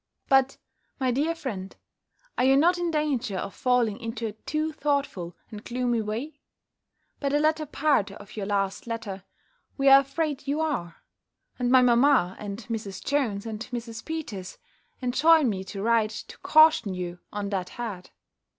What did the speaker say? But, my dear friend, are you not in danger of falling into a too thoughtful and gloomy way? By the latter part of your last letter, we are afraid you are; and my mamma, and Mrs. Jones, and Mrs. Peters, enjoin me to write, to caution you on that head.